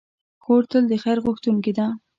خور تل د خیر غوښتونکې ده.